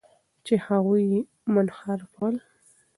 چې هغوی یې منحرفول.